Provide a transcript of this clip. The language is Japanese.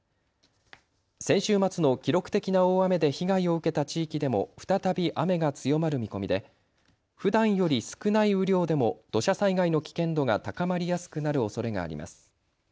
先週末の記録的な大雨で被害を受けた地域でも再び雨が強まる見込みでふだんより少ない雨量でも土砂災害の危険度が高まりやすくなるおそれがあります。